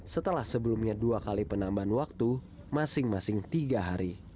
setelah sebelumnya dua kali penambahan waktu masing masing tiga hari